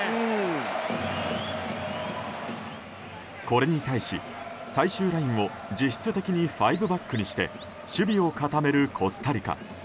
これに対し最終ラインを実質的に５バックにして守備を固めるコスタリカ。